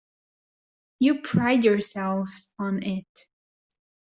You pride yourselves on it.